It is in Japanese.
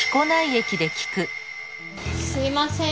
すいません。